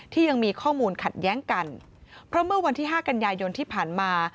ยังมีข้อมูลขัดแย้งกันเพราะเมื่อวันที่ห้ากันยายนที่ผ่านมา